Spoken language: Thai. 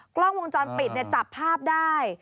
กล้องวงจรปิดจับภาพได้